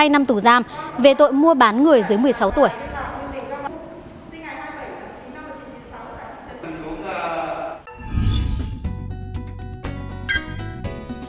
một mươi hai năm tù giam về tội mua bán người dưới một mươi sáu tuổi